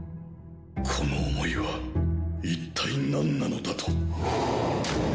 この思いはいったい何なのだと。